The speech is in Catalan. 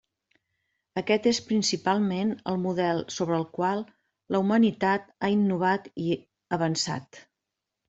Aquest és principalment el model sobre el qual la humanitat ha innovat i avançat.